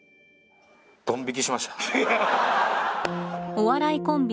お笑いコンビ